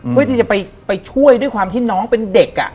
เพื่อที่จะไปช่วยด้วยความที่น้องเป็นเด็ก